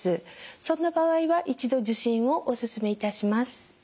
そんな場合は一度受診をお勧めいたします。